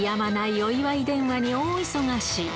お祝い電話に大忙し。